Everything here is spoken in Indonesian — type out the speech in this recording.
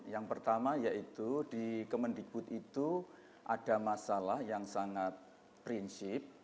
yang pertama yaitu di kemendikbud itu ada masalah yang sangat prinsip